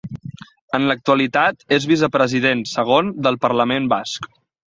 En l'actualitat és vicepresident segon del Parlament Basc.